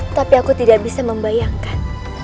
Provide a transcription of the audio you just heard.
tapi aku tidak bisa membayangkan